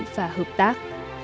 và hợp tác